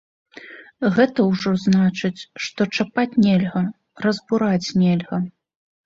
Гэта ўжо значыць, што чапаць нельга, разбураць нельга.